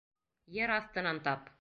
Ер аҫтынан тап!